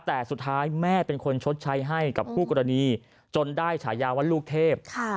แต่สุดท้ายแม่เป็นคนชดใช้ให้กับคู่กรณีจนได้ฉายาว่าลูกเทพ